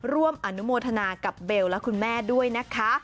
ร่วมอนุโมทนากับเบลและคุณแม่ด้วยนะคะ